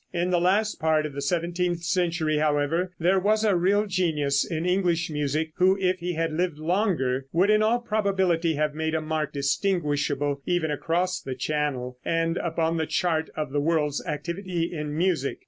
In the last part of the seventeenth century, however, there was a real genius in English music, who, if he had lived longer, would in all probability have made a mark distinguishable even across the channel, and upon the chart of the world's activity in music.